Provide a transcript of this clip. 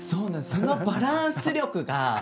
そのバランス力が。